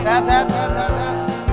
sehat sehat sehat sehat